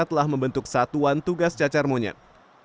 telah membentuk satuan tugas cacar monyet